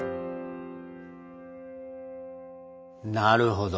なるほど。